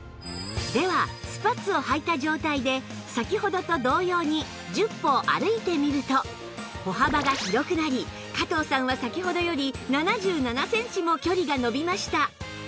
ではスパッツをはいた状態で先ほどと同様に１０歩歩いてみると歩幅が広くなり加藤さんは先ほどより７７センチも距離が伸びました